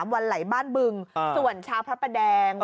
๒๓วันไหลบ้านบึงส่วนชาวพระแปดง